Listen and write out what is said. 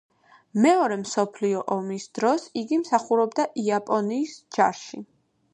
მეორე მსოფლიო ომის დროს იგი მსახურობდა იაპონიის ჯარში.